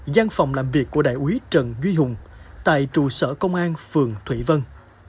giang phòng làm việc của đại úy trần duy hùng tại trụ sở công an phường thủy vân